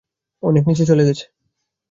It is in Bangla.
অনেক নিচে চলে গেছে।